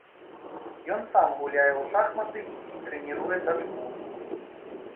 Ён сам гуляе ў шахматы і трэніруе дачку.